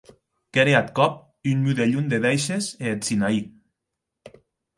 Qu’ère ath còp un modelhon de dèishes e eth Sinaí.